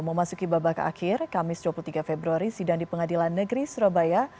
memasuki babak akhir kamis dua puluh tiga februari sidang di pengadilan negeri surabaya